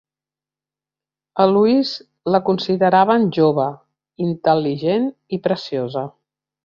A Louise la consideraven "jove, intel·ligent i preciosa".